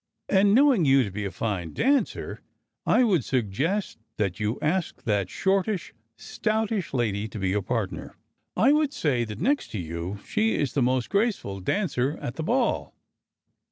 And knowing you to be a fine dancer, I would suggest that you ask that shortish, stoutish lady to be your partner. I should say that next to you, she is the most graceful dancer at the Ball."